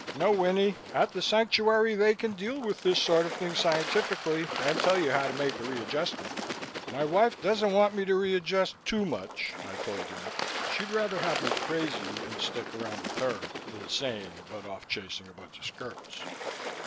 No, Winnie, at the Sanctuary they can deal with this sort of thing scientifically and tell you how to make the readjustment." "My wife doesn't want me to readjust too much," I told him. "She'd rather have me crazy and stick around with her than sane but off chasing a bunch of skirts."